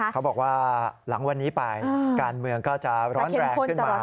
เขาบอกว่าหลังวันนี้ไปการเมืองก็จะร้อนแรงขึ้นมา